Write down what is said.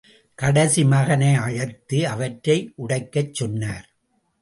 கடைசி மகனை அழைத்து, அவற்றை உடைக்கச் சொன்னார்.